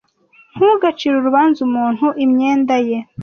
Ntugacire urubanza umuntu imyenda ye.